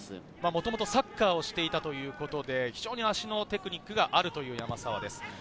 もともとサッカーをしていたということで、非常に足のテクニックがあるという山沢です。